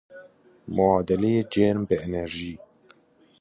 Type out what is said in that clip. معادله جرم به انرژی